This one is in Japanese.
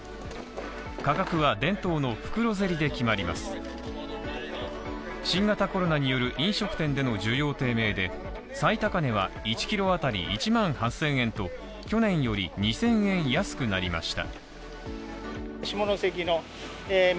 価格は伝統の袋競りで決まります新型コロナによる飲食店での需要低迷で最高値は１キロ当たり１万８０００円と去年より２０００円安くなりました。